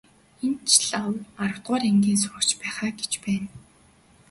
Энэ ч лав аравдугаар ангийн сурагч байх аа гэж байна.